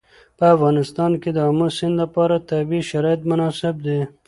په افغانستان کې د آمو سیند لپاره طبیعي شرایط مناسب دي.